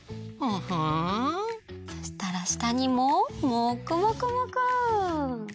そしたらしたにももくもくもく！